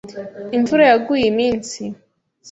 Imvura yaguye iminsi.